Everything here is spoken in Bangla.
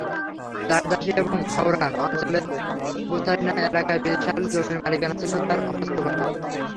দাস-দাসী এবং হাওরান অঞ্চলের বুছায়না এলাকার বিশাল জমির মালিকানা ছিল তার হস্তগত।